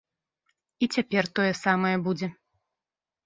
І цяпер тое самае будзе.